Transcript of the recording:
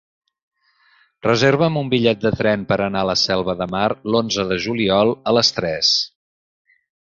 Reserva'm un bitllet de tren per anar a la Selva de Mar l'onze de juliol a les tres.